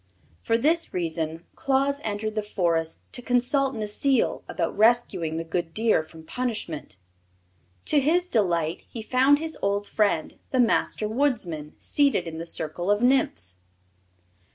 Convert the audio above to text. For this reason Claus entered the Forest to consult Necile about rescuing the good deer from punishment. To his delight he found his old friend, the Master Woodsman, seated in the circle of Nymphs.